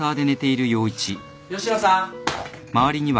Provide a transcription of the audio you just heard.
吉野さん